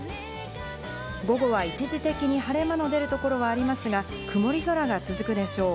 午後は、一時的に晴れ間の出るところはありますが、曇り空が続くでしょう。